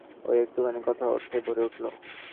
ঐ একটুখানি কথা অর্থে ভরে উঠল।